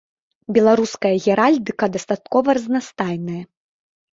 Беларуская геральдыка дастаткова разнастайная.